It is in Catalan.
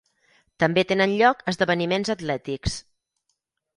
També tenen lloc esdeveniments atlètics.